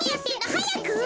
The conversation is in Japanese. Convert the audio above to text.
はやく。